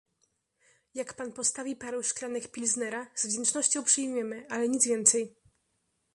"„Jak pan postawi parę szklanek Pilznera, z wdzięcznością przyjmiemy, ale nic więcej."